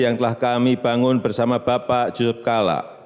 yang telah kami bangun bersama bapak yusuf kalla